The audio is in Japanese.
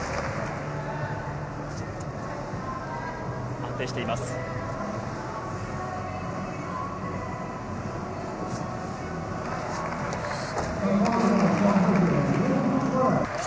安定しています。